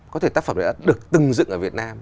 có thể tác phẩm này đã được từng dựng ở việt nam